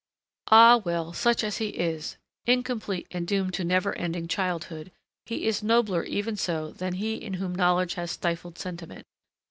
Ah! well, such as he is, incomplete and doomed to never ending childhood, he is nobler even so than he in whom knowledge has stifled sentiment.